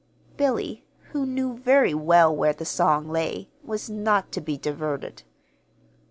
Billy, who knew very well where the song lay, was not to be diverted.